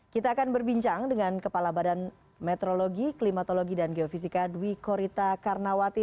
kita akan berbincang dengan kepala badan meteorologi klimatologi dan geofisika dwi korita karnawati